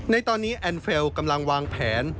ในตอนนี้แอนดเฟลล์กำลังวางแผน